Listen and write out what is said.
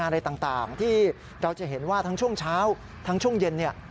อะไรต่างที่เราจะเห็นว่าทั้งช่วงเช้าทั้งช่วงเย็นเนี่ย